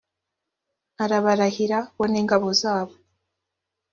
arabarahira, bo n’ingabo zabo